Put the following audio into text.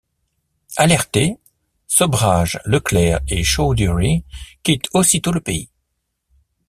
Alertés, Sobhraj, Leclerc et Chowdhury quittent aussitôt le pays.